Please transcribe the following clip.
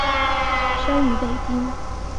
生于北京。